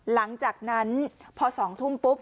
หลังจากนั้นพอ๒ทุ่มปุ๊บ